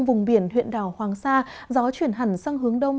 vùng biển huyện đảo hoàng sa gió chuyển hẳn sang hướng đông